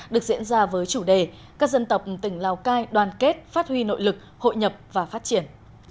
được diễn ra với chủ đề các dân tộc tỉnh lào cai đoàn kết phát huy nội lực hội nhập và phát triển